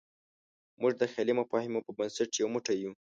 موږ د خیالي مفاهیمو په بنسټ یو موټی یو.